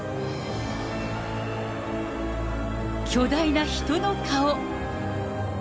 巨大な人の顔。